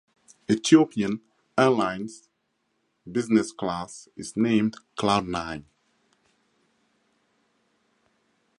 Ethiopian Airlines' Business Class is named "Cloud Nine".